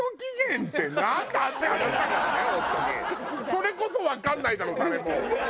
それこそわかんないだろ誰も。